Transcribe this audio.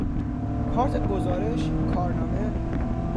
کارت گزارش، کارنامه